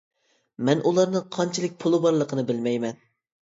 مەن ئۇلارنىڭ قانچىلىك پۇلى بارلىقىنى بىلمەيمەن.